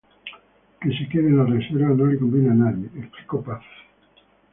Que se quede en la reserva no le conviene a nadie", explicó Paz.